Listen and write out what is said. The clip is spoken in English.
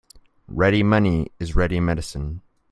Ready money is ready medicine.